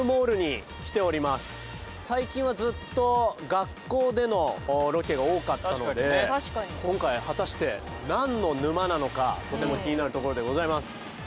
最近はずっと学校でのロケが多かったので今回果たして何の沼なのかとても気になるところでございます。